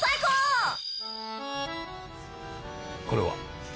これは？